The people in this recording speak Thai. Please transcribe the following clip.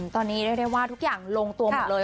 ตอนนี้เรียกได้ว่าทุกอย่างลงตัวหมดเลย